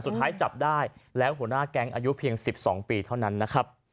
สุดท้ายจับได้แล้วหัวหน้าแก๊งอายุเพียง๑๒ปีเท่านั้นนะครับ